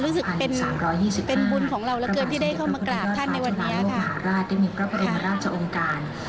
รู้สึกเป็นบุญของเราราคเกิดที่ได้เข้ามากรอบท่านในวันนี้ค่ะ